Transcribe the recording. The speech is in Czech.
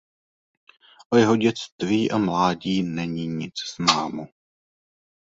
O jeho dětství a mládí není nic známo.